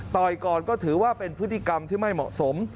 ก่อนก็ถือว่าเป็นพฤติกรรมที่ไม่เหมาะสม